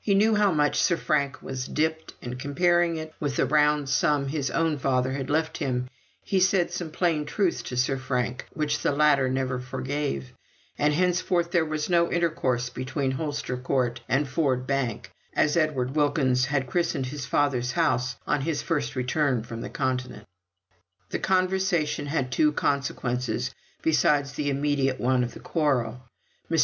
He knew how much Sir Frank was dipped, and comparing it with the round sum his own father had left him, he said some plain truths to Sir Frank which the latter never forgave, and henceforth there was no intercourse between Holster Court and Ford Bank, as Mr. Edward Wilkins had christened his father's house on his first return from the Continent. The conversation had two consequences besides the immediate one of the quarrel. Mr.